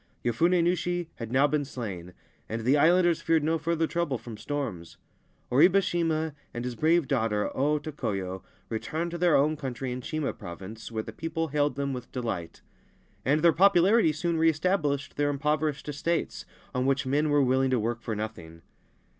Yofune Nushi had now been slain, and the islanders feared no further trouble from storms. Oribe Shima and his brave daughter O Tokoyo returned to their own country in Shima Province, where the people hailed them with delight ; and their popularity soon re established their impoverished estates, on which men were willing to work for nothing.